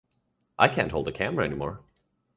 I can't hold a camera any more.